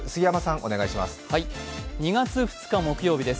お願いします。